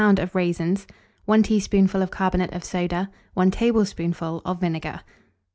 of raisins, 1 teaspoonful of carbonate of soda, 1 tablespoonful of vinegar.